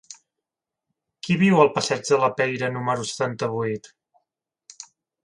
Qui viu al passeig de la Peira número setanta-vuit?